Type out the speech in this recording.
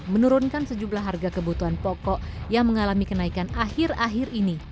menurunkan sejumlah harga kebutuhan pokok yang mengalami kenaikan akhir akhir ini